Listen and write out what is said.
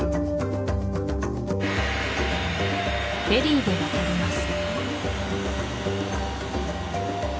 フェリーで渡ります